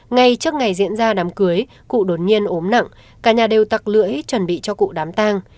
ngay trước ngày diễn ra đám cưới cụ đồn nhiên ốm nặng cả nhà đều tặc lưỡi chuẩn bị cho cụ đám tang